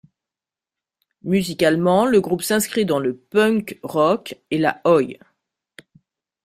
Musicalement, le groupe s'inscrit dans le punk rock et la Oi!